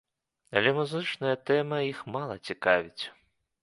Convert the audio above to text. Але музычная тэма іх мала цікавіць.